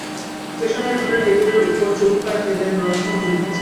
স্টেশনের ঘরে টেবিলের উপরে চৌপায়া তেলের লণ্ঠন জুলিতেছে।